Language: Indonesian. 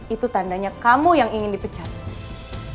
itu tandanya kamu yang ingin di pecah